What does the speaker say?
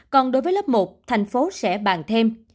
còn đối với lớp một thành phố sẽ bàn thêm